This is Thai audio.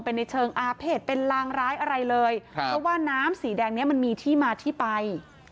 เป็นในเชิงอาเภษเป็นลางร้ายอะไรเลยครับเพราะว่าน้ำสีแดงเนี้ยมันมีที่มาที่ไป